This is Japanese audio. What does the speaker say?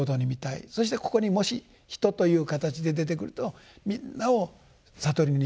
そしてここにもし人という形で出てくるとみんなを悟りに導きたいんだと。